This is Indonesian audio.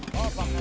jalan jalan jalan